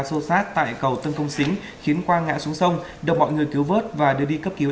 xô xát tại cầu tân công xính khiến quang ngã xuống sông được mọi người cứu vớt và đưa đi cấp cứu